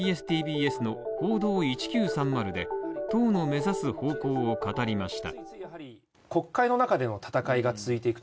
今夜出演したＢＳ−ＴＢＳの「報道１９３０」で党の目指す方向を語りました。